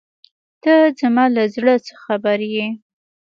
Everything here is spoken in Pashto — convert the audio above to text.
ته زما له زړۀ څه خبر یې.